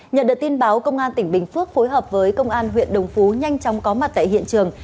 nhận được tin báo công an tỉnh bình phước phối hợp với công an huyện đồng phú nhanh chóng có mặt tại hiện trường